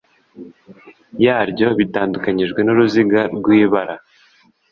Yaryo bitandukanyijwe n’uruziga rw’ibara